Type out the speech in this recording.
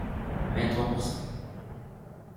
Vingt-trois pour cent.